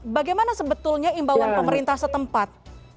bagaimana sebetulnya imbauan pemerintah setempat